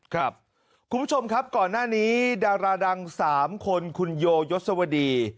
คุณผู้ชมครับก่อนหน้านี้ดาราดัง๓คนคุณโยยศวดี